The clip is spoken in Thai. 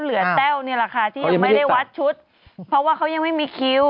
แต้วนี่แหละค่ะที่ยังไม่ได้วัดชุดเพราะว่าเขายังไม่มีคิว